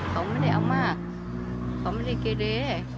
เขาไม่ได้เอามากเขาไม่ได้เกเร